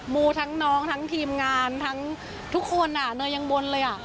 มูทั้งน้องทั้งทีมงานทั้งทุกคนเนยยังบนเลยอ่ะ